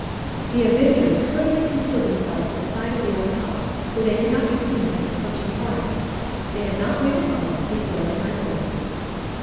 The avengers hurriedly concealed themselves at the side of the old house where they could not be seen by an approaching party. They had not waited long before they heard voices.